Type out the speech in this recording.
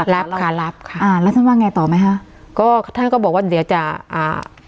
รับค่ะรับค่ะอ่าแล้วท่านว่าไงต่อไหมฮะก็ท่านก็บอกว่าเดี๋ยวจะอ่า